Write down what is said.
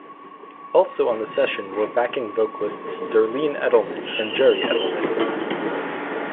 Also on the session were backing vocalists Darlene Eddleman and Jerry Eddleman.